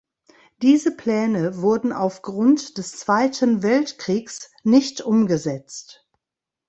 Diese Pläne wurden aufgrund des Zweiten Weltkriegs nicht umgesetzt.